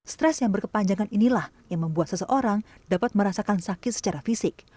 stres yang berkepanjangan inilah yang membuat seseorang dapat merasakan sakit secara fisik